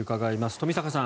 冨坂さん